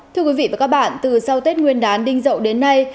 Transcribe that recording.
thưa quý vị và các bạn từ sau tết nguyên đán đinh dậu đến nay